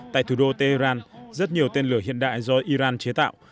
tại thủ đô tehran rất nhiều tên lửa hiện đại do iran chế tạo